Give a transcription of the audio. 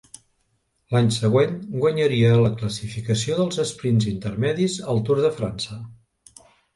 L'any següent guanyaria la classificació dels esprints intermedis al Tour de França.